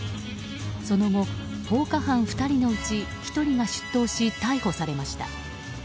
その後、放火犯２人のうち１人が出頭し逮捕されました。